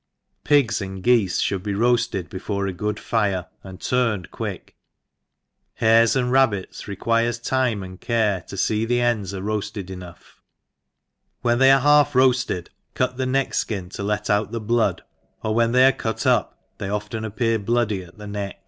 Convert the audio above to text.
— ^Piga and geefe ihould b^ roafled before % good fircj^ and turned quick,'«—r— Hares and rabbits re quire time and care, to fee the ends are rGaf^e4 enough, when they are half roafled, cut the neck fkin, and let out the blood, or when they are cut up they often appear bloody ^t the oeck.